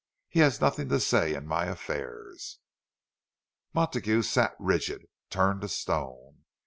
He has nothing to say in my affairs." Montague sat rigid, turned to stone.